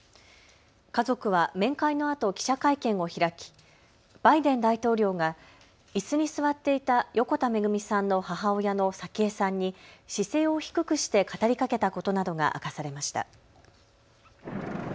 家族は面会のあと記者会見を開きバイデン大統領がいすに座っていた横田めぐみさんの母親の早紀江さんに姿勢を低くして語りかけたことなどが明かされました。